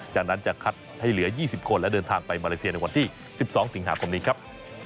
จากนั้นจะคัดให้เหลือ๒๐คนและเดินทางไปมาเลเซียในวันที่๑๒สิงหาคมนี้ครับ